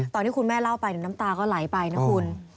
ตอนที่คุณแม่เล่าไปน้ำตาก็ไหลไปนะคุณ